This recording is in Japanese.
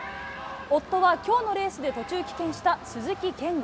夫はきょうのレースで途中棄権した鈴木健吾。